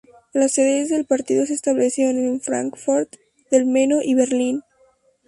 Las sedes del partido se establecieron en Fráncfort del Meno y Berlín.